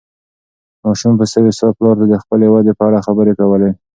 ماشوم په سوې ساه پلار ته د خپلې ودې په اړه خبرې کولې.